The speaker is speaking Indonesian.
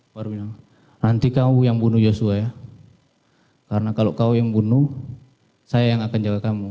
baru bilang nanti kamu yang bunuh joshua ya karena kalau kau yang bunuh saya yang akan jaga kamu